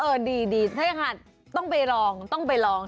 เออดีถ้าอย่างนั้นต้องไปลอง